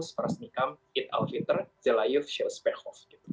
selamat hari raya idul fitri